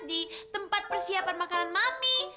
di tempat persiapan makanan mami